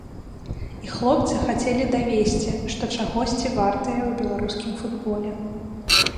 І хлопцы хацелі давесці, што чагосьці вартыя ў беларускім футболе.